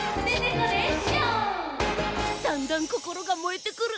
だんだんこころがもえてくる。